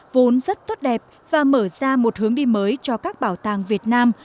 vốn rất tốt đẹp và mở ra một hướng đi mới cho các bảo tàng việt nam